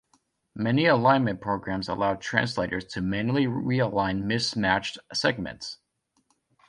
Many alignment programs allow translators to manually realign mismatched segments.